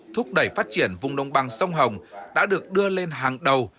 thúc đẩy phát triển vùng đồng bằng sông hồng đã được đưa lên hàng đầu